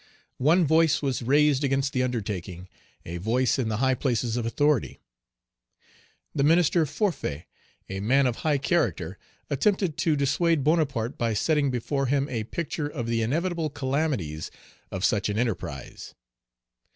One voice was raised against the undertaking, a voice in the high places of authority. The minister Forfait, a man of high character, attempted to dissuade Bonaparte by setting before him a picture of the inevitable calamities of such an enterprise.